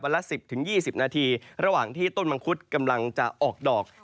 ละ๑๐๒๐นาทีระหว่างที่ต้นมังคุดกำลังจะออกดอก